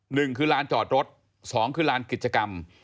หนึ่งคือลานจอดรถสองคือลานกิจกรรม